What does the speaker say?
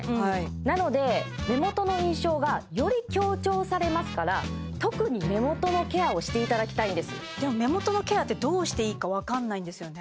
なので目元の印象がより強調されますから特に目元のケアをしていただきたいんですでも目元のケアってどうしていいか分かんないんですよね